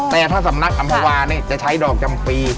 แต่ถ้าสำนักอำภาวาเนี่ยจะใช้ดอกจำปี